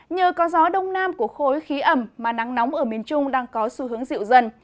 nhờ có gió đông nam của khối khí ẩm mà nắng nóng ở miền trung đang có xu hướng dịu dần